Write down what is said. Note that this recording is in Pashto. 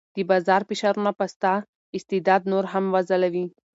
د بازار فشارونه به ستا استعداد نور هم وځلوي.